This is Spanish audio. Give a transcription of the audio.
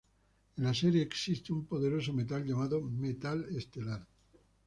En la serie existe un poderoso metal llamado Metal Estelar.